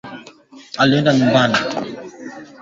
mbili za Kenya sawa na dola sabini na moja